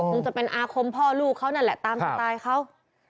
คงจะเป็นอาคมพ่อลูกเขานั่นแหละตามสไตล์เขา